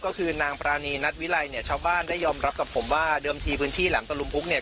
ก็คือนางปรานีนัทวิไลเนี่ยชาวบ้านได้ยอมรับกับผมว่าเดิมทีพื้นที่แหลมตะลุมพุกเนี่ย